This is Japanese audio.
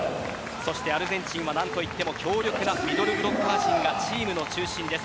アルゼンチンは何といっても強力なミドルブロッカー陣がチームの中心です。